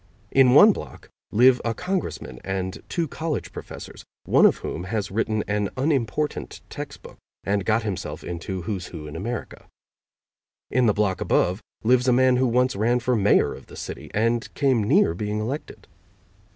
In one block live a Congressman and two college professors, one of whom has written an unimportant textbook and got himself into "Who's Who in America." In the block above lives a man who once ran for Mayor of the city, and came near being elected.